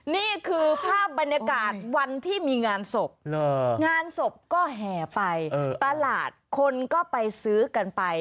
นี่คือภาพบรรยากาศวันที่มีงานศพงานศพก็แห่ไปตลาดคนก็ไปซื้อกันไป